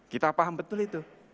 kita paham betul itu